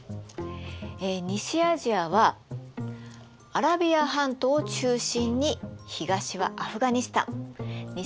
西アジアはアラビア半島を中心に東はアフガニスタン西はトルコ。